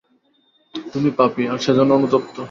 তুমি পাপী, আর সেজন্য অনুতপ্ত!